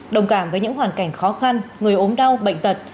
đồng cảm với những hoàn cảnh khó khăn người ốm đau bệnh tật